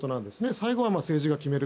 最後は政治が決める。